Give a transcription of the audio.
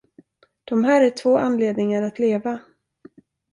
De här är två anledningar att leva.